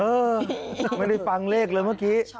ไม่ได้ฟังเลขเลยเมื่อกี้